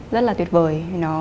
rất là tuyệt vời